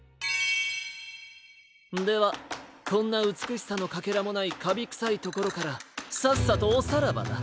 ではこんなうつくしさのカケラもないカビくさいところからさっさとおさらばだ。